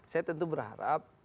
saya tentu berharap